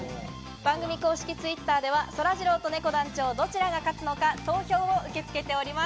番組公式Ｔｗｉｔｔｅｒではそらジローとねこ団長、どちらが勝つのか投票を受け付けております。